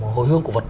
hồi hương cổ vật